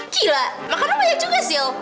gila makannya banyak juga sil